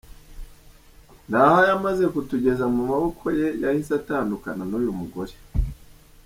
Ndahayo amaze kutugeza mu maboko ye yahise atandukana n’uyu mugore.